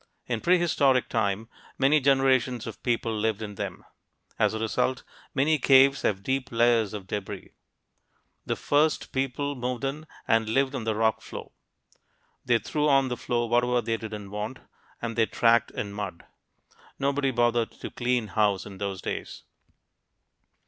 In prehistoric time, many generations of people lived in them. As a result, many caves have deep layers of debris. The first people moved in and lived on the rock floor. They threw on the floor whatever they didn't want, and they tracked in mud; nobody bothered to clean house in those days.